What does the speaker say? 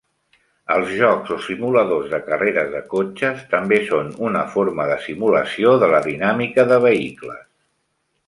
Els jocs o simuladors de carreres de cotxes també són una forma de simulació de la dinàmica de vehicles.